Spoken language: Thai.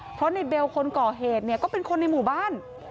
เพราะในเบลคนก่อเหตุเนี่ยก็เป็นคนในหมู่บ้าน